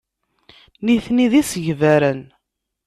Nitni d isegbaren.